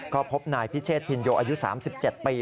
ก็พบนายพิเชษพินโยอายุ๓๗ปี